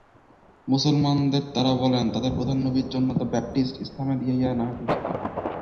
মুসলিমদের তারা বলেন, তাদের প্রধান নবী জন দ্যা ব্যাপ্টিস্ট, ইসলামে ইয়াহিয়া নামে পরিচিত।